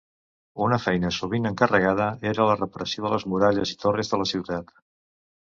Una feina sovint encarregada era la reparació de les muralles i torres de la ciutat.